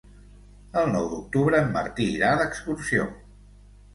El nou d'octubre en Martí irà d'excursió.